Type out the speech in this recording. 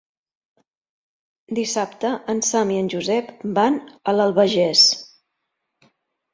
Dissabte en Sam i en Josep van a l'Albagés.